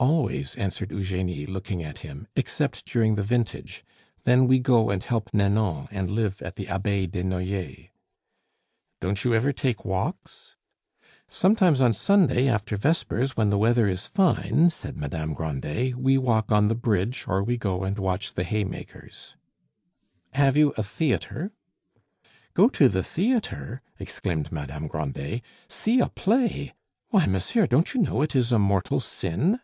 "Always," answered Eugenie, looking at him, "except during the vintage. Then we go and help Nanon, and live at the Abbaye des Noyers." "Don't you ever take walks?" "Sometimes on Sunday after vespers, when the weather is fine," said Madame Grandet, "we walk on the bridge, or we go and watch the haymakers." "Have you a theatre?" "Go to the theatre!" exclaimed Madame Grandet, "see a play! Why, monsieur, don't you know it is a mortal sin?"